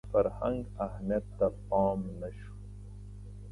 د فرهنګ اهمیت ته پام نه شو